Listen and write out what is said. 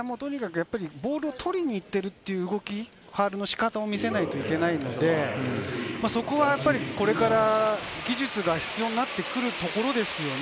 とにかくボールを取りに行っているというファウルの仕方を見せないと思うので、そこはこれから、技術が必要になってくるところですよね。